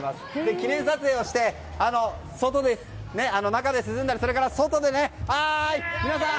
記念撮影をして中で涼んだりそれから外で皆さん！